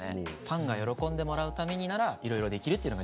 ファンが喜んでもらうためにならいろいろできるってのが軸みたいな。